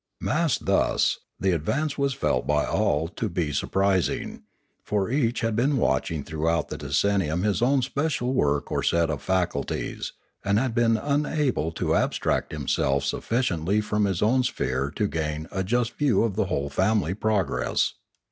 Massed thus, the advance was felt by all to be sur prising, for each had been watching throughout the decennium his own special work or set of faculties, and had been unable to abstract himself sufficiently from his own sphere to gain a just view of the whole family progress.